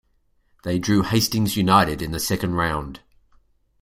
They drew Hastings United in the second round.